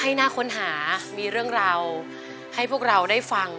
น่าค้นหามีเรื่องราวให้พวกเราได้ฟัง